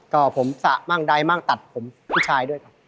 ก็ผมสะมากได้มากตัดผมผู้ชายด้วยครับ